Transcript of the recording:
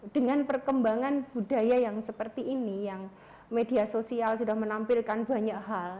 dengan perkembangan budaya yang seperti ini yang media sosial sudah menampilkan banyak hal